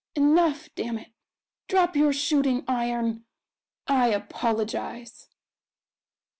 "Enough, damn it! Drop your shooting iron I apologise."